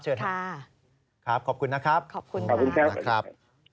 เชิญครับขอบคุณนะครับสวัสดีครับสวัสดีครับขอบคุณครับสวัสดีครับ